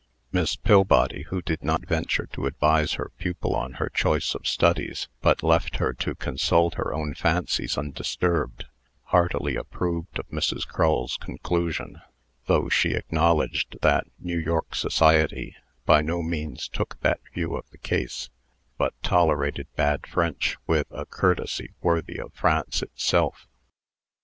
Miss Pillbody, who did not venture to advise her pupil on her choice of studies, but left her to consult her own fancies undisturbed, heartily approved of Mrs. Crull's conclusion, though she acknowledged that New York society by no means took that view of the case, but tolerated bad French with a courtesy worthy of France itself.